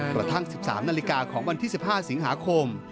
กระทั่ง๑๓นาฬิกาของวันที่๑๕สิงหาคม